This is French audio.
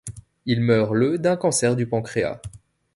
Il meurt le d'un cancer du pancréas.